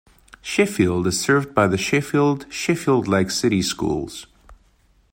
Sheffield is served by the Sheffield-Sheffield Lake City Schools.